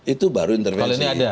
itu baru intervensi